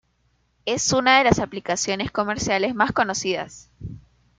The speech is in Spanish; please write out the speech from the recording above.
Es una de las aplicaciones comerciales más conocidas.